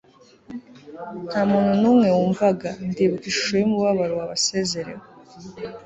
nta muntu n'umwe wumvaga. ndibuka ishusho yumubabaro wabasezerewe